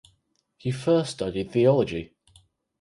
He first studied theology.